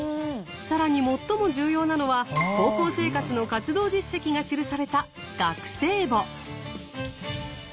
更に最も重要なのは高校生活の活動実績が記された学生簿。